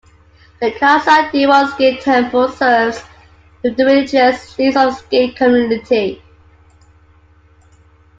The Khalsa Diwan Sikh Temple serves the religious needs of the Sikh community.